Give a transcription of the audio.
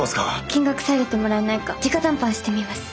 金額下げてもらえないか直談判してみます。